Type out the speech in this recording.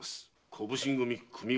小普請組組頭？